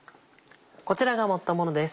こちらが盛ったものです。